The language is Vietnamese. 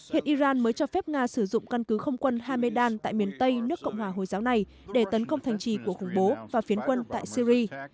hiện iran mới cho phép nga sử dụng căn cứ không quân hamedan tại miền tây nước cộng hòa hồi giáo này để tấn công thành trì của khủng bố và phiến quân tại syri